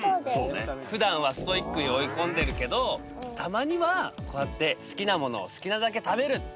普段はストイックに追い込んでるけどたまにはこうやって好きなものを好きなだけ食べるっていう。